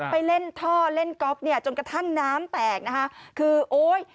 ไปเล่นท่อเล่นก๊อฟเนี่ยจนกระทั่งน้ำแตกนะคะคือโอ๊ย